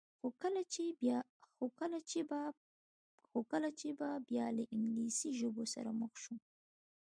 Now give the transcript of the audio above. خو کله چې به بیا له انګلیسي ژبو سره مخ شوم.